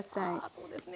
そうですね